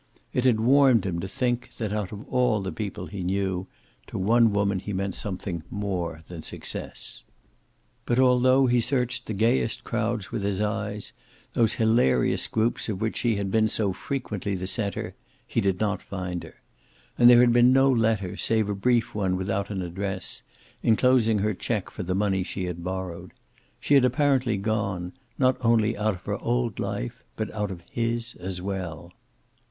It had warmed him to think that, out of all the people he knew, to one woman he meant something more than success. But although he searched the gayest crowds with his eyes, those hilarious groups of which she had been so frequently the center, he did not find her. And there had been no letter save a brief one without an address, enclosing her check for the money she had borrowed. She had apparently gone, not only out of her old life, but out of his as well.